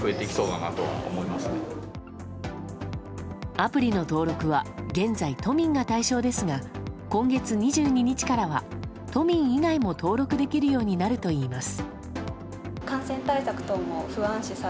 アプリの登録は現在、都民が対象ですが今月２２日からは都民以外も登録できるようになるといいます。